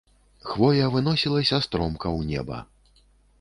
Хвоя выносілася стромка ў неба.